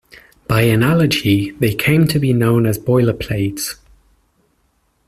By analogy, they came to be known as 'boilerplates'.